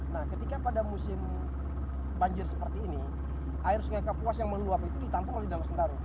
nah ketika pada musim banjir seperti ini air sungai kapuas yang meluap itu ditampung oleh danau sentarung